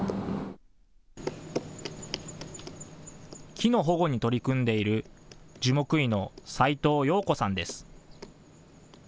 木の保護に取り組んでいる樹木医の斉藤陽子さんです。